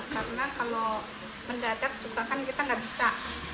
karena kalau mendadak juga kan kita nggak bisa